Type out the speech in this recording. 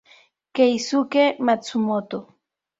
Keisuke Matsumoto